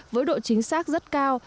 với độ chính xác rất cao